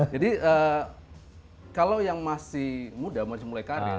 jadi kalau yang masih muda masih mulai karir